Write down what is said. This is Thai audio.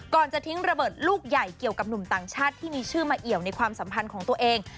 จะทิ้งระเบิดลูกใหญ่เกี่ยวกับหนุ่มต่างชาติที่มีชื่อมาเอี่ยวในความสัมพันธ์ของตัวเอง